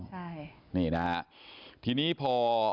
ทีนี้พอถึงช่วงตอนนี้นะครับ